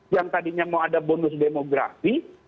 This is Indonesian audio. yang tadinya mau ada bonus demografi